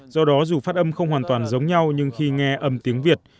do đó dù phát âm không hoàn toàn giống nhau nhưng khi nghe âm tiếng việt